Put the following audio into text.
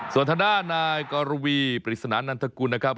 สวัสดีครับนายกรวีปริศนานนันทกุลนะครับ